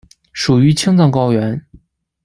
属于青藏高原。